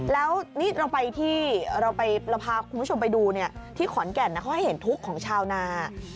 แล้วนี่เราไปที่เราพาคุณผู้ชมไปดูที่ขอนแก่นเขาให้เห็นทุกข์ของชาวนา